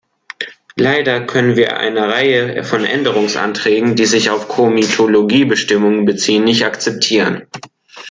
Leider können wir einer Reihe von Änderungsanträgen, die sich auf Komitologiebestimmungen beziehen, nicht akzeptieren.